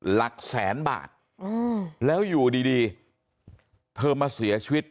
หลักแสนบาทอืมแล้วอยู่ดีดีเธอมาเสียชีวิต